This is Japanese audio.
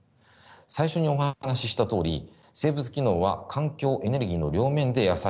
最初にお話ししたとおり生物機能は環境・エネルギーの両面でやさしいという特長があります。